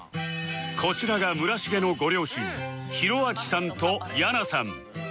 こちらが村重のご両親公亮さんとヤナさん